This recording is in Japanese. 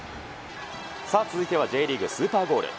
続いてはＪリーグ、スーパーゴール。